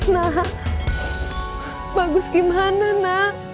nah bagus dimana nak